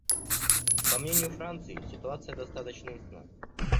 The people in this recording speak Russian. По мнению Франции, ситуация достаточно ясна.